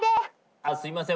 あすいません